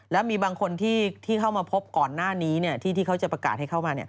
แล้วมีบางคนที่เข้ามาพบก่อนหน้านี้ที่เขาจะประกาศให้เข้ามา